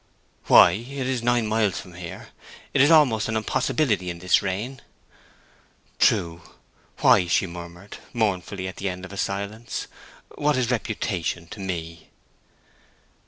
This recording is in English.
"Why? It is nine miles from here. It is almost an impossibility in this rain." "True—why?" she replied, mournfully, at the end of a silence. "What is reputation to me?"